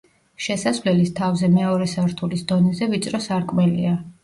შესასვლელის თავზე მეორე სართულის დონეზე ვიწრო სარკმელია.